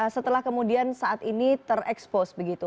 setelah kemudian saat ini ter expose begitu